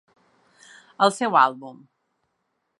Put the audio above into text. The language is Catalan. El seu àlbum.